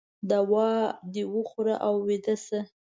دوا د وخوره او ویده شه